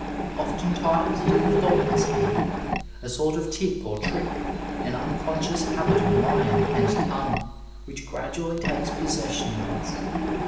Oftentimes it is a thoughtless evil, a sort of tic or trick, an unconscious habit of mind and tongue which gradually takes possession of us.